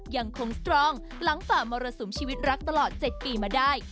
ยังคงสตรองหลังฝ่ามรสุมชีวิตรักตลอด๗ปีมาได้